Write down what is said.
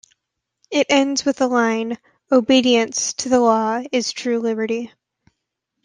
It ends with the line, Obedience to the law is true liberty.